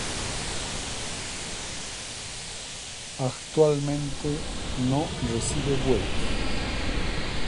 Actualmente no recibe vuelos.